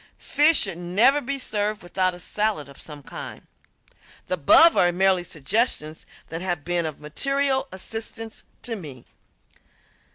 Fish should never be served without a salad of some kind. The above are merely suggestions that have been of material assistance to me.